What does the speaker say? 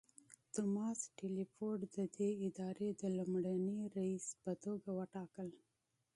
توماس ټیلفورډ ددې ادارې د لومړني رییس په توګه وټاکل.